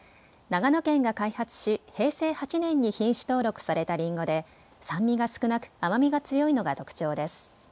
長野県が開発し、平成８年に品種登録されたりんごで酸味が少なく甘みが強いのが特徴です。